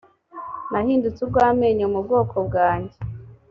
nahindutse urwamenyo mu bwoko bwanjye.